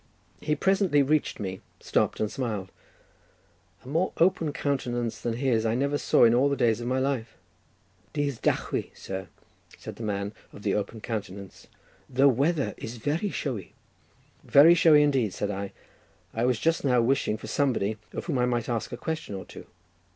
He presently reached me, stopped and smiled. A more open countenance than his I never saw in all the days of my life. "Dydd dachwi, sir," said the man of the open countenance, "the weather is very showy." "Very showy, indeed," said I; "I was just now wishing for somebody, of whom I might ask a question or two."